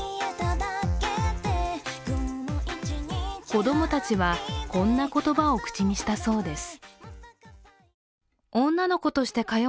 子供たちは、こんな言葉を口にしたそうです。